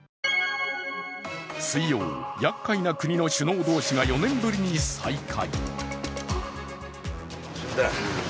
水曜、やっかいな国の首脳同士が４年ぶりに再会。